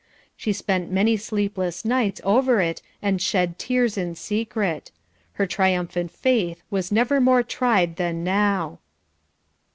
She spent many sleepless nights over it and shed tears in secret. Her triumphant faith was never more tried than now.